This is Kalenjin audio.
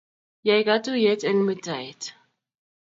Yai katuiyet eng muitaet